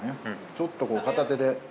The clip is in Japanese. ちょっとこう片手で。